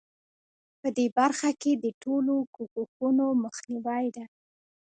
په دې برخه کې د ټولو کوښښونو مخنیوی دی.